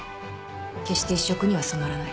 決して一色には染まらない。